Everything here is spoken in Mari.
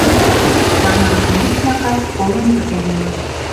Самырык мут-влакак колен пытен улыт.